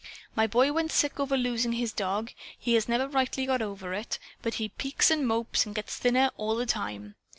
My boy went sick over losing his dog. He has never rightly got over it, but he peaks and mopes and gets thinner all the time.